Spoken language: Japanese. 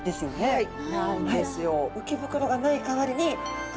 はい。